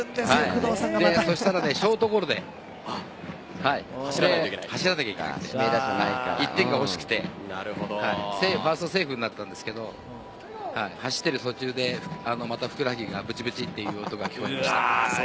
そしたらショートゴロで走らないといけなくて１点が欲しくてファーストセーフになったんですが走ってる途中でまたふくらはぎがブチブチという音が聞こえました。